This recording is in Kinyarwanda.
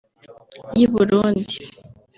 y’i Burundi